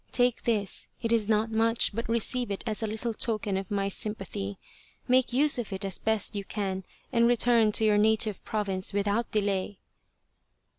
Take this. It is not much, but receive it as a little token of my sympathy. Make use of it as best you can and return to your native province with out delay."